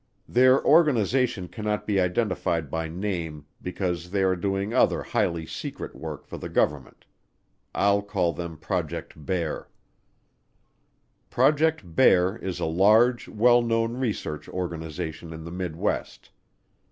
Their organization cannot be identified by name because they are doing other highly secret work for the government. I'll call them Project Bear. Project Bear is a large, well known research organization in the Midwest.